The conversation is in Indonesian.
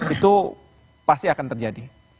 itu pasti akan terjadi